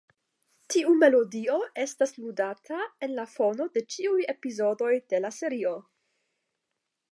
Tiu melodio estas ludata en la fono de ĉiuj epizodoj de la serio.